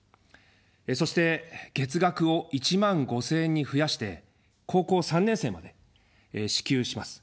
そして、月額を１万５０００円に増やして高校３年生まで支給します。